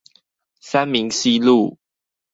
三民西路